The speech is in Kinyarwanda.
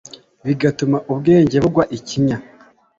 bigatuma ubwenge bugwa ikinya